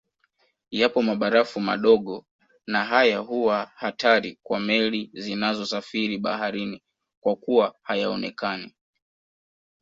Yapo mabarafu madogo na haya huwa hatari kwa meli zinazosafiri baharini kwakuwa hayaonekani